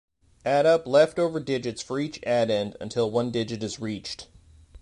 Add up leftover digits for each addend until one digit is reached.